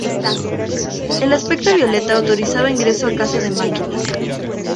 El aspecto violeta autorizaba ingreso a casa de máquinas.